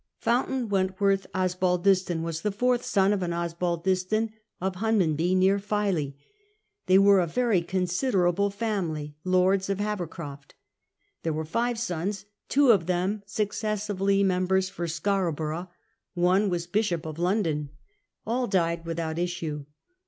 Fountain Went worth Osbaldiston Avas the fourth son of an Oskildiston of Huiimanby, near Filey. They Avere a very considerable family, lords of Ilavcrcroft. There Avere five sons, tAvo of them successively members for Scarborough ; one was Bishop of London. All died without issue.